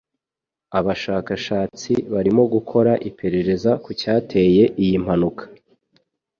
Abashakashatsi barimo gukora iperereza ku cyateye iyi mpanuka.